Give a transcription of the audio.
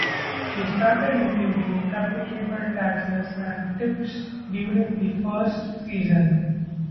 She started including applicable taxes and tips during the first season.